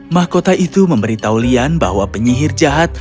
mahkota itu memberitahu lian bahwa penyihir jahat